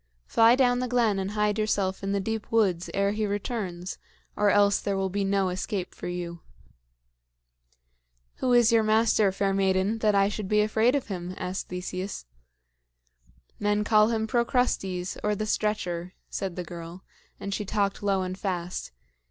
Fly down the glen and hide yourself in the deep woods ere he returns, or else there will be no escape for you." "Who is your master, fair maiden, that I should be afraid of him?" asked Theseus. "Men call him Procrustes, or the Stretcher," said the girl and she talked low and fast.